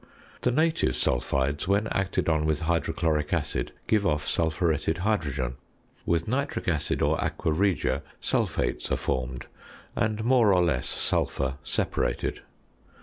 The native sulphides, when acted on with hydrochloric acid, give off sulphuretted hydrogen; with nitric acid or aqua regia, sulphates are formed, and more or less sulphur separated.